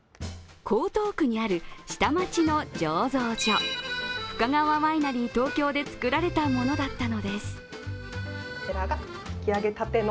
江東区にある下町の醸造所、深川ワイナリー東京で造られたものだったのです。